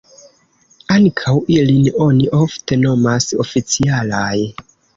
Ankaŭ ilin oni ofte nomas oficialaj.